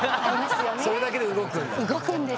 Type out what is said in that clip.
それだけで動くんだ。